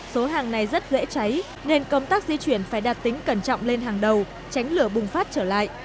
số hàng này rất dễ cháy nên công tác di chuyển phải đạt tính cẩn trọng lên hàng đầu tránh lửa bùng phát trở lại